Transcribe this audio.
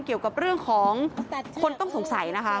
เกี่ยวกับเรื่องของคนต้องสงสัยนะคะ